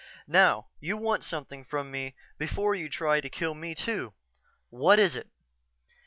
Now, you want something from me before you try to kill me, too. What is it?"